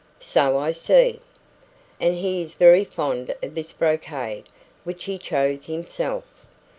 "So I see." "And he is very fond of this brocade, which he chose himself.